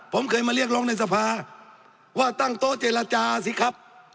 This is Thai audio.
ผมเคยมาเรียกร้องในสภาว่าตั้งโต๊ะเจรจาสิครับ